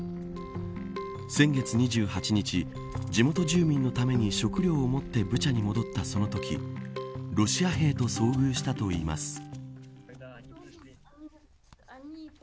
先月２８日地元住民のために食料を持ってブチャに戻ったそのときロシア兵と遭遇したといいます。